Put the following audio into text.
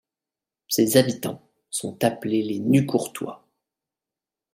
Ses habitants sont appelés les Nucourtois.